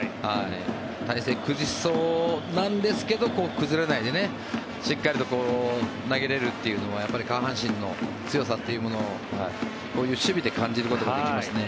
体勢を崩しそうなんですけど崩れないでしっかりと投げれるっていうのはやっぱり下半身の強さというものをこういう守備で感じることができますね。